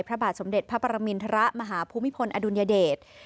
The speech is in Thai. พระบาทสมเด็จพระปรมินทรมาหาภูมิพลอดุลยเดช